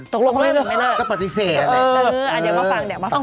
ตกลงแล้วคุณไม่เลิกครับก็ปฎิเสนอะไรแหละเนี่ยเออเอาไงนะครับเดี๋ยวมาฟัง